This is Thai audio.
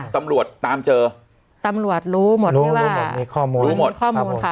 ตำรวจตามเจอตำรวจรู้หมดที่ว่ามีข้อมูลค่ะ